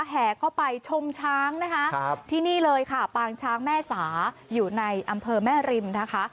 แห่เข้าไปชมช้างนะคะที่นี่เลยค่ะปางช้างแม่สาอยู่ในอำเภอแม่ริมนะคะ